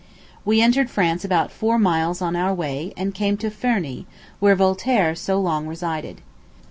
We entered France about four miles on our way, and came to Ferney, where Voltaire so long resided.